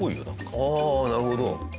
ああなるほど。